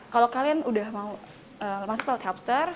kalau kalian sudah masuk pelat helpster